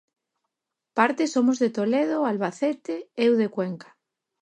Parte somos de Toledo, Albacete, eu de Cuenca.